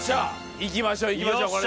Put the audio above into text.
いきましょいきましょこれで。